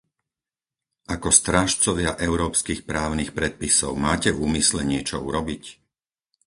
Ako strážcovia európskych právnych predpisov, máte v úmysle niečo urobiť?